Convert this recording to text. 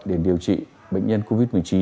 để điều trị bệnh nhân covid một mươi chín